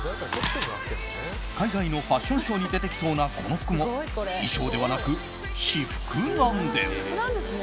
海外のファッションショーに出てきそうな、この服も衣装ではなく私服なんです。